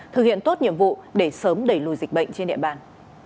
thực hiện tốt nhiệm vụ để sớm đẩy lùi dịch bệnh trên địa bàn